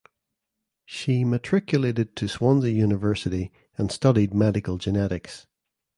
She matriculated to Swansea University and studied medical genetics.